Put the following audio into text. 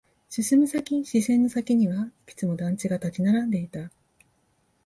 進む先、視線の先にはいくつも団地が立ち並んでいた。